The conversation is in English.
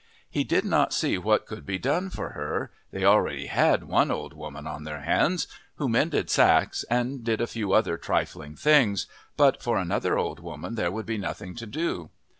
He did not see what could be done for her: they already had one old woman on their hands, who mended sacks and did a few other trifling things, but for another old woman there would be nothing to do.